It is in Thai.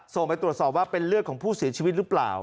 ไปตรวจสอบว่าเป็นเลือดของผู้เสียชีวิตหรือเปล่า